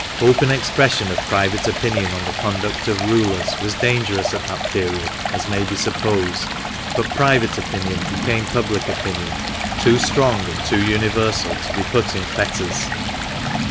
" Open expression of private opinion on the conduct of rulers was dangerous at that period, as may be supposed ; but private opinion became public opinion, too strong and too universal to be put in fetters.